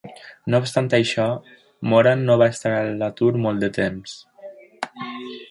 No obstant això, Moran no va estar a l'atur molt de temps.